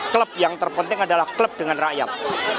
klub yang terpenting adalah klub dengan rakyat